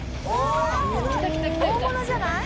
大物じゃない？